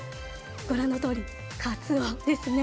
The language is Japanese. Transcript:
ご覧のとおり、かつおですね。